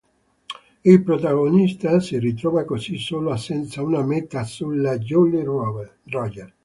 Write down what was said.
Il protagonista si ritrova così solo e senza una meta sulla Jolly Roger.